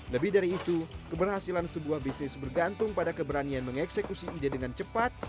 lebih dari itu keberhasilan sebuah bisnis bergantung pada keberanian mengeksekusi ija dengan cepat